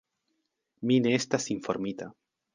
Mi ne estas informita.